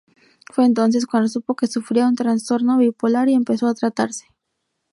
Fue entonces cuando supo que sufría un trastorno bipolar y empezó a tratarse.